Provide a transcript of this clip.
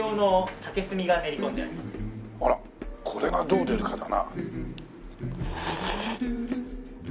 あらこれがどう出るかだな。